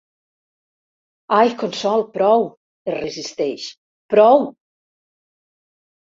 Ai, Consol, prou... —es resisteix— Prou!